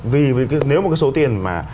vì nếu một cái số tiền mà